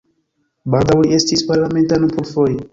Baldaŭ li estis parlamentano plurfoje.